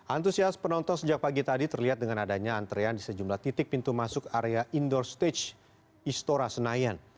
antusias penonton sejak pagi tadi terlihat dengan adanya antrean di sejumlah titik pintu masuk area indoor stage istora senayan